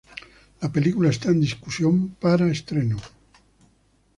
La película esta en discusión para estreno.